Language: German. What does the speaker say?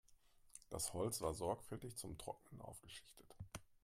Das Holz war sorgfältig zum Trocknen aufgeschichtet.